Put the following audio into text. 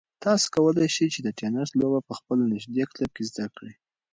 تاسو کولای شئ چې د تېنس لوبه په خپل نږدې کلب کې زده کړئ.